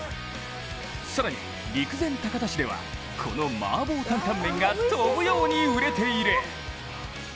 更に陸前高田市ではこのマーボータンタンメンが飛ぶように売れている。